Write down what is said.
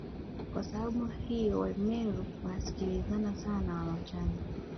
Kwa sababu hiyo Wameru wanasikilizana sana na Wamachame